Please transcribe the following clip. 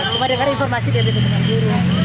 cuma dengar informasi dari guru